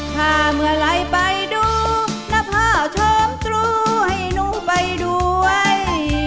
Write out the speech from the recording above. ถ้าเมื่อไหร่ไปดูน้าวชมตรูให้หนูไปด้วย